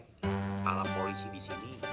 kepala polisi disini